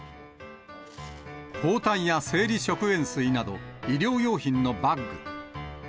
包帯や生理食塩水など、医療用品のバッグ。